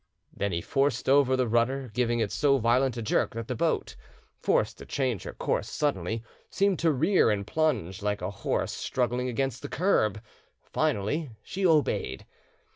Then he forced over the rudder, giving it so violent a jerk that the boat, forced to change her course suddenly, seemed to rear and plunge like a horse struggling against the curb; finally she obeyed.